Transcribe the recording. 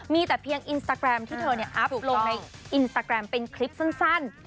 มีแต่เพียงอินสตาแกรมที่เธออัพลงในอินสตาแกรมเป็นคลิปสั้น